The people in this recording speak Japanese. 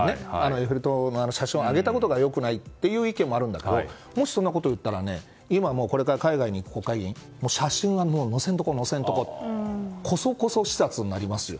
エッフェル塔の写真を上げたことが良くないという意見もあるんだけどもしそんなことを言ったら今これから海外に行く国会議員写真は載せないでおこうというこそこそ視察になりますよ。